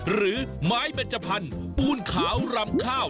หรือไม้เบจพันธุ์ปูนขาวรำข้าว